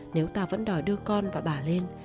nếu ta vẫn đòi đưa con và bà lên